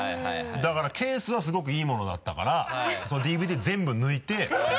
だからケースはすごくいいものだったからＤＶＤを全部抜いて。